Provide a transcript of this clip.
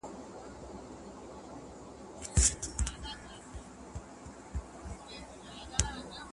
وږی په خوب ډوډۍ ويني.